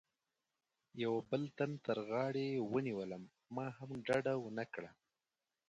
یوه بل تن تر غاړې ونیولم، ما هم ډډه و نه کړه.